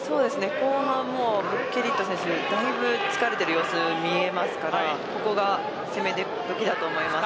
後半はブッケリット選手だいぶ疲れている様子が見えますのでここが攻めどきだと思います。